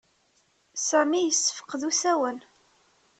Sami yessefqed usawen.